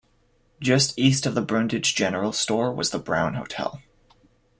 Just east of the Brundage General Store was the Brown Hotel.